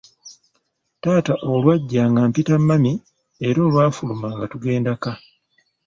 Taata olwajja nga mpita mami era olwafuluma nga tugenda ka.